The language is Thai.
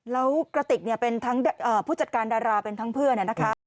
แล้วกระติกเป็นทั้งผู้จัดการดาราเป็นทั้งเพื่อนนะคะ